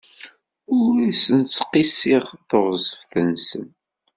Ur asen-ttqissiɣ teɣzef-nsen.